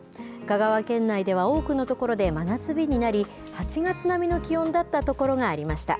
香川県内では多くの所で真夏日になり、８月並みの気温だった所がありました。